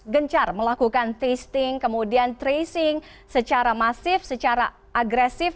gencar melakukan testing kemudian tracing secara masif secara agresif